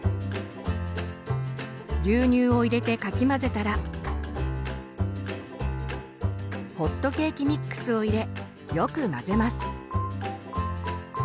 牛乳を入れてかき混ぜたらホットケーキミックスを入れよく混ぜます。